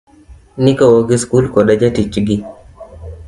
Nikowo gi skul koda jatich gi.